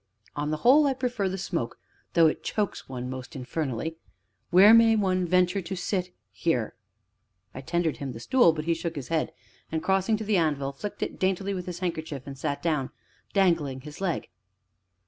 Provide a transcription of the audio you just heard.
On the whole, I prefer the smoke, though it chokes one most infernally. Where may one venture to sit here?" I tendered him the stool, but he shook his head, and, crossing to the anvil, flicked it daintily with his handkerchief and sat down, dangling his leg.